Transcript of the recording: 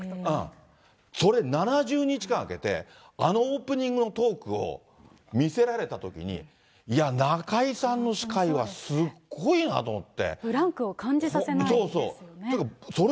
それ、７０日間あけて、あのオープニングのトークを見せられたときに、いや、中居さんの司会はすっごいなと思って。